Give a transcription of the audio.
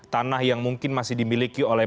tanah yang mungkin masih dimiliki oleh